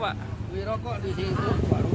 beli rokok di situ